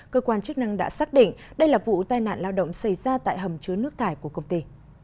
cơ quan chức năng đã xác định đây là vụ tai nạn lao động xảy ra tại hầm chứa nước thải của công ty